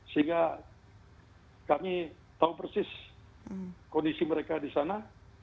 sehingga kami tahu persis kondisi mereka di sana